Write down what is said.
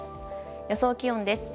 予想気温です。